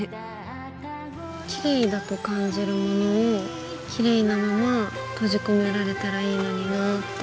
きれいだと感じるものをきれいなまま閉じ込められたらいいのになぁって。